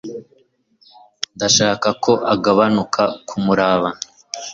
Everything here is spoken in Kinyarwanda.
Ndashaka ko agabanuka kumuraba